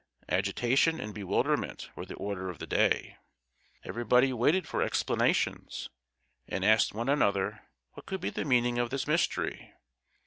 Agitation and bewilderment were the order of the day; everybody waited for explanations, and asked one another what could be the meaning of this mystery?